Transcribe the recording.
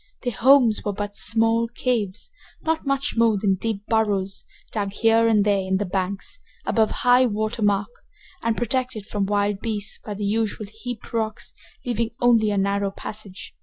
Their homes were but small caves, not much more than deep burrows, dug here and there in the banks, above high water mark, and protected from wild beasts by the usual heaped rocks, leaving only a narrow passage.